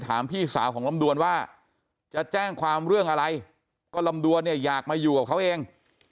พี่สาวของลำดวนว่าจะแจ้งความเรื่องอะไรก็ลำดวนเนี่ยอยากมาอยู่กับเขาเอง